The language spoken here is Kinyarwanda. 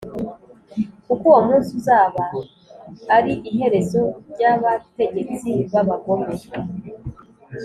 Kuko uwo munsi uzaba ari iherezo ry’abategetsi b’abagome,